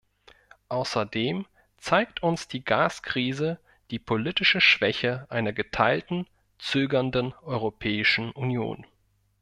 Außerdem zeigt uns die Gaskrise die politische Schwäche einer geteilten, zögernden Europäischen Union.